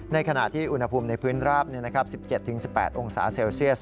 ในขณะที่อุณหภูมิในพื้นราบ๑๗๑๘องศาเซลเซียส